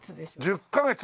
１０ヵ月？